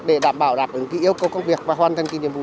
để đảm bảo đạt những yêu cầu công việc và hoàn thành những nhiệm vụ